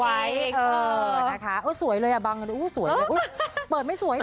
เออนะคะสวยเลยอ่ะบังอุ้ยเปิดไม่สวย